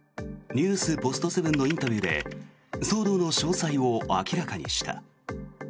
ポストセブンのインタビューで騒動の詳細を明らかにした。